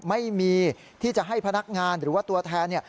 ไม่มีที่จะให้พนักงานหรือว่าตัวแทนเนี่ย